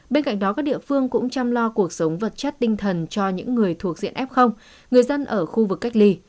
bên cạnh đó các địa phương cũng chăm lo cuộc sống vật chất tinh thần cho những người thuộc diện f người dân ở khu vực cách ly